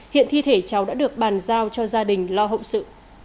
hiện thi thể cháu đã được bàn giao cho gia đình lo hậu sự